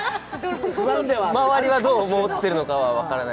周りはどう思っているのかは分からない。